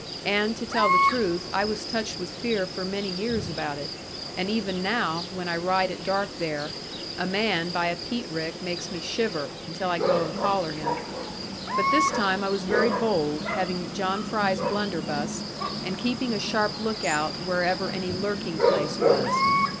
And, to tell the truth, I was touched with fear for many years about it; and even now, when I ride at dark there, a man by a peat rick makes me shiver, until I go and collar him. But this time I was very bold, having John Fry's blunderbuss, and keeping a sharp look out wherever any lurking place was.